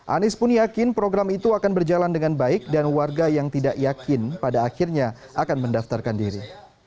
anies pun yakin program itu akan berjalan dengan baik dan warga yang tidak yakin pada akhirnya akan mendaftarkan diri